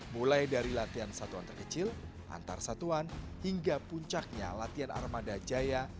mulai dari latihan satuan terkecil antar satuan hingga puncaknya latihan armada jaya